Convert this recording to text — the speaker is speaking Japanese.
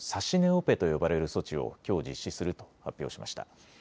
オペと呼ばれる措置をきょう実施すると発表しました。